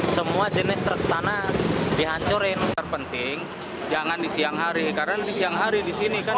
semua jenis truk tanah dihancurin terpenting jangan di siang hari karena di siang hari di sini kan